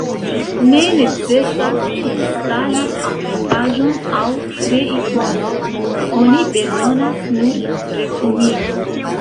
Ne necesas instali aplikaĵon aŭ krei konton, oni bezonas nur retumilon.